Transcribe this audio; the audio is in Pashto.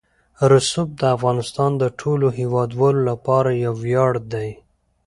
رسوب د افغانستان د ټولو هیوادوالو لپاره یو ویاړ دی.